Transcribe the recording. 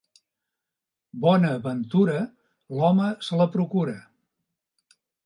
Bona ventura, l'home se la procura.